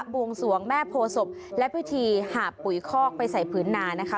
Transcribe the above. วงสวงแม่โพศพและพิธีหาบปุ๋ยคอกไปใส่ผืนนานะคะ